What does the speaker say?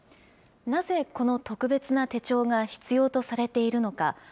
なぜこの特別な手帳が必要とされているのか。